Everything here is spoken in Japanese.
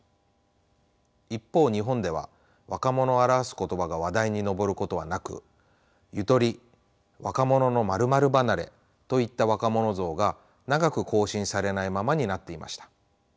一方日本では若者を表す言葉が話題に上ることはなく「ゆとり」「若者の○○離れ」といった若者像が長く更新されないままになっていました。